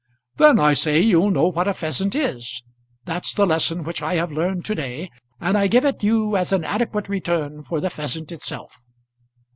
"Then, I say, you'll know what a pheasant is. That's the lesson which I have learned to day, and I give it you as an adequate return for the pheasant itself."